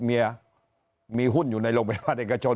เมียมีหุ้นอยู่ในโรงพยาบาลเอกชน